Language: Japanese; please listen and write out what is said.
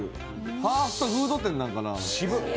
ファストフード店なんかな。